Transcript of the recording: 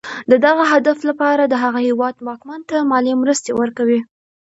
د دغه هدف لپاره د هغه هېواد واکمن ته مالي مرستې ورکوي.